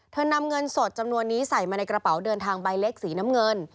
นำเงินสดจำนวนนี้ใส่มาในกระเป๋าเดินทางใบเล็กสีน้ำเงิน